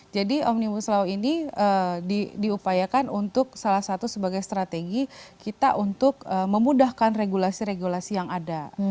jadi omnibus law ini diupayakan untuk salah satu sebagai strategi kita untuk memudahkan regulasi regulasi yang ada